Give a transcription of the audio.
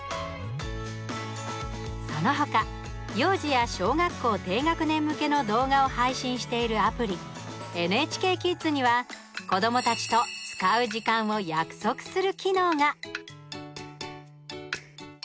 その他、幼児や小学校低学年向けの動画を配信しているアプリ「ＮＨＫキッズ」には子どもたちと使う時間を約束する機能が。